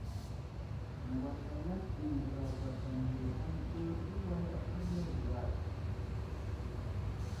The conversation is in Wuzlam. Ŋgwaslalaki andra gwadam yo áne ɗu, uway ahelerge way ?